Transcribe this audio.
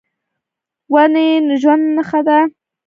ونې د ژوند نښه ده.